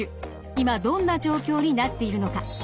今どんな状況になっているのか。